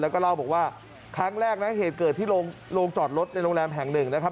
แล้วก็เล่าบอกว่าครั้งแรกนะเหตุเกิดที่โรงจอดรถในโรงแรมแห่งหนึ่งนะครับ